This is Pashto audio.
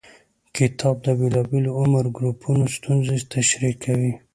کتاب د بېلابېلو عمر ګروپونو ستونزې تشریح کوي.